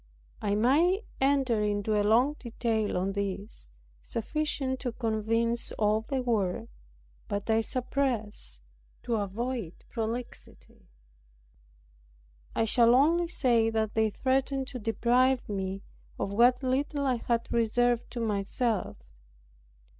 I might enter into a long detail on this, sufficient to convince all the world; but I suppress, to avoid prolixity. I shall only say, that they threatened to deprive me of what little I had reserved to myself.